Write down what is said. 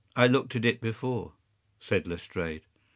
I looked at it before,” said Lestrade.